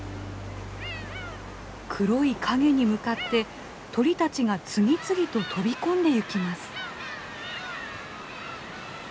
黒い影に向かって鳥たちが次々と飛び込んでゆきます。